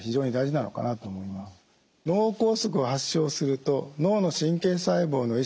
脳梗塞を発症すると脳の神経細胞のえ